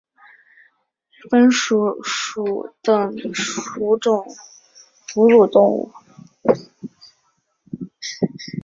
鼢鼠属等数种哺乳动物。